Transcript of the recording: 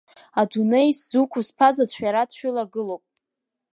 Адунеи исзықәу сԥазаҵә шәара дшәылагылоуп!